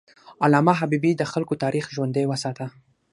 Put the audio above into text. علامه حبیبي د خلکو تاریخ ژوندی وساته.